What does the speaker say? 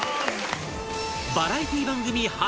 バラエティ番組初！